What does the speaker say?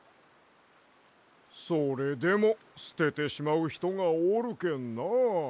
それでもすててしまうひとがおるけんな。